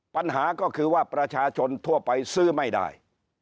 ปัญหาก็คือว่าประชาชนทั่วไปซื้อไม่ได้